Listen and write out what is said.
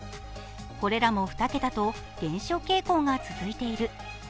これらも２桁と減少傾向が続いている。